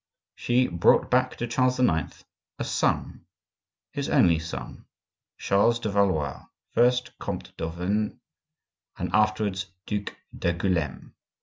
She brought back to Charles IX. a son, his only son, Charles de Valois, first Comte d'Auvergne, and afterward Duc d'Angouleme.